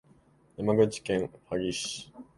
山口県萩市